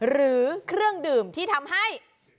หรือเครื่องดื่มที่ทำให้